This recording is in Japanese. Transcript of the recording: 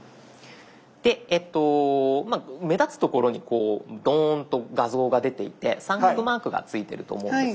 で目立つ所にこうドーンと画像が出ていて三角マークがついてると思うんです。